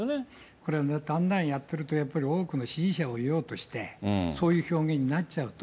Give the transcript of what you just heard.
これはだんだんやってると、やっぱり多くの支持者を得ようとして、そういう表現になっちゃうと。